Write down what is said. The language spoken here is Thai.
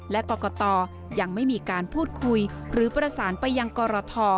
และกรกตยังไม่มีการพูดคุยหรือประสานไปยังกรท